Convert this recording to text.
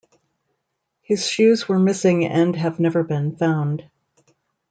His shoes were missing and have never been found.